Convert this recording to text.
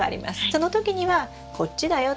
その時にはこっちだよと。